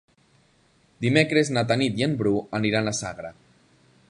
Dimecres na Tanit i en Bru aniran a Sagra.